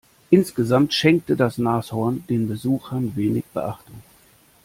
Insgesamt schenkte das Nashorn den Besuchern wenig Beachtung.